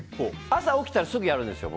朝起きたらすぐやるんです、僕。